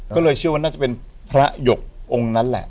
ก็เลยเชื่อว่าน่าจะเป็นพระหยกองค์นั้นแหละ